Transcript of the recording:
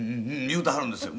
言うてはるんですよ」